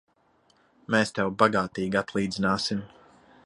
Mēs tev bagātīgi atlīdzināsim!